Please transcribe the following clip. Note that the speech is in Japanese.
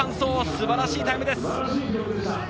すばらしいタイムです！